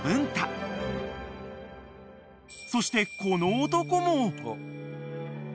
［そしてこの男も］